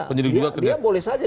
oh iya dia boleh saja